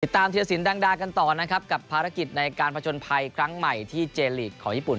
ตามเทียรสินดังดากันต่อนะครับกับภารกิจในการผจญภัยครั้งใหม่ที่เจลีกของญี่ปุ่น